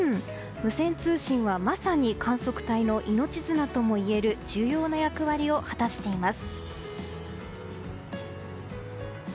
無線通信はまさに観測隊の命綱ともいえる重要な役割を果たしています。